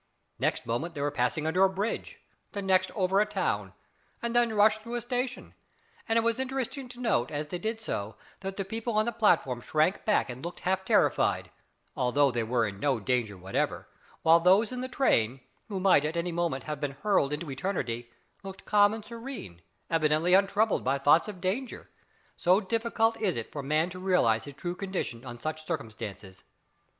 Next moment they were passing under a bridge; the next over a town, and then rushed through a station, and it was interesting to note as they did so, that the people on the platform shrank back and looked half terrified, although they were in no danger whatever, while those in the train who might at any moment have been hurled into eternity looked calm and serene, evidently untroubled by thoughts of danger; so difficult is it for man to realise his true condition in such circumstances.